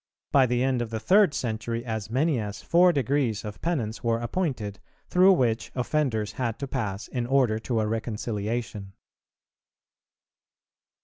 By the end of the third century as many as four degrees of penance were appointed, through which offenders had to pass in order to a reconciliation.